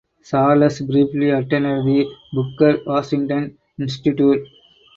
Charles briefly attended the Booker Washington Institute.